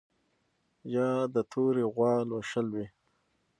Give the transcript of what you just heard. یا د تورې غوا لوشل وي